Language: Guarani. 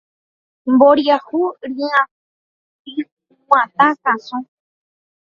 Mboriahu ryg̃uatã káso.